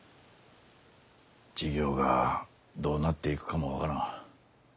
事業がどうなっていくかも分からん。